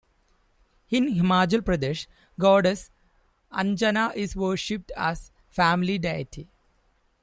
In Himachal Pradesh, Goddess Anjana is worshiped as a family deity.